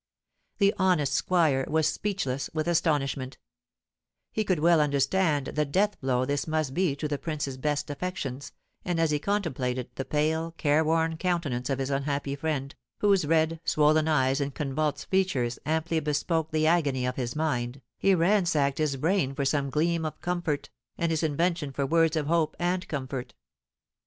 The honest squire was speechless with astonishment; he could well understand the death blow this must be to the prince's best affections, and as he contemplated the pale, careworn countenance of his unhappy friend, whose red, swollen eyes and convulsed features amply bespoke the agony of his mind, he ransacked his brain for some gleam of comfort, and his invention for words of hope and comfort.